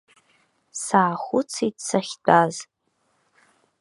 Саахәыцит сахьтәаз.